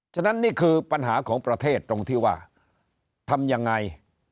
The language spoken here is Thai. ฉะนั้นนี่คือปัญหาของประเทศตรงที่ว่าทำยังไง